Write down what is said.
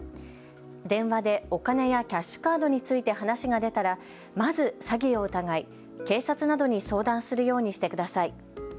電話でお金やキャッシュカードについて話が出たらまず詐欺を疑い、警察などに相談するようにしてください。